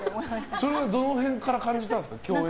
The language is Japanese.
それはどの辺から感じたんですか？